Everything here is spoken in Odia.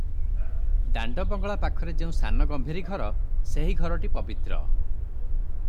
ଦାଣ୍ଡ ବଙ୍ଗଳା ପାଖରେ ଯେଉଁ ସାନ ଗମ୍ଭୀରି ଘର ସେହି ଘରଟି ପବିତ୍ର ।